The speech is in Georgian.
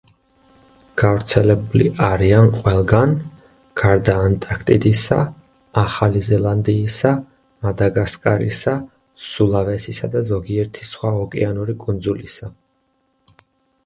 გავრცელებული არიან ყველგან გარდა ანტარქტიდისა, ახალი ზელანდიისა, მადაგასკარისა, სულავესისა და ზოგიერთი სხვა ოკეანური კუნძულისა.